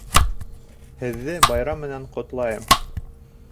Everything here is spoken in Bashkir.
Һеҙҙе байрам менән ҡотлайым!